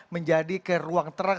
menjadi ke ruang terak